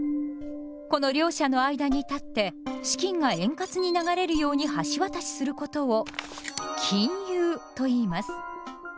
この両者の間に立って資金が円滑に流れるように橋渡しすることを「金融」といいます。